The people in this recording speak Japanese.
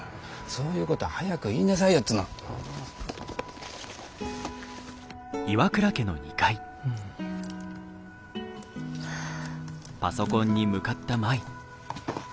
そういうことは早く言いなさいよっつうの。はあ。